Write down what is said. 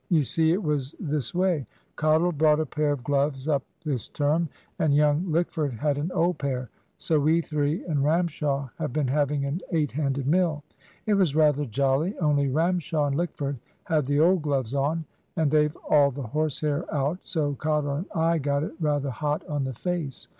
You see, it was this way; Cottle brought a pair of gloves up this term, and young Lickford had an old pair; so we three and Ramshaw have been having an eight handed mill. It was rather jolly; only Ramshaw and Lickford had the old gloves on, and they've all the horse hair out, so Cottle and I got it rather hot on the face.